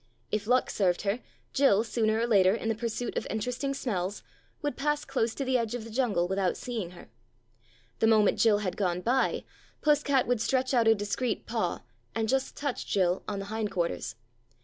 If luck served her, Jill, sooner or later in the pursuit of interesting smells, would pass close to the edge of the jungle without seeing her. The moment Jill had gone by, Puss cat would stretch out a discreet paw, and just touch Jill on the hind quarters.